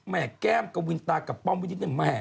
แม่แก้มกวินตากับป้อมวินิตแม่แม่